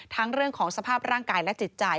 เรื่องของสภาพร่างกายและจิตใจ